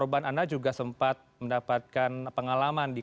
korban anda juga sempat mendapatkan informasi yang benar informasi yang hoax